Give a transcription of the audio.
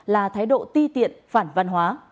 là thái độ ti tiện phản văn hóa